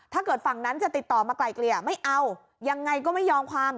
ฝั่งนั้นจะติดต่อมาไกลเกลี่ยไม่เอายังไงก็ไม่ยอมความ